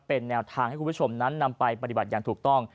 เป็นแนวทางให้คุณผู้ชมนั้นนำไปปฏิบัติอย่างถูกต้อง